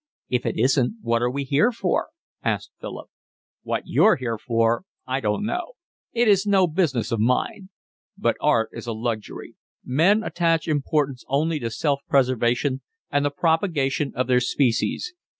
"If it isn't, what are we here for?" asked Philip. "What you're here for I don't know. It is no business of mine. But art is a luxury. Men attach importance only to self preservation and the propagation of their species.